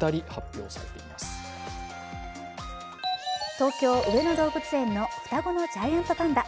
東京・上野動物園の双子のジャイアントパンダ。